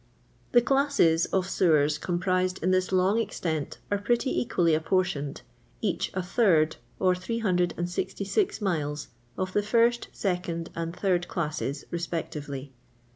The classes of sewers comprised in this Iool' extent are pretty eqnally apportioned, each a third, or 3C6 miles, of the first, second, and third cksses respectively.